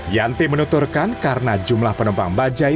yanti menuturkan karena jumlah penumpang bajai